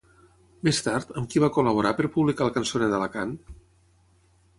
Més tard, amb qui va col·laborar per publicar el Cançoner d'Alacant?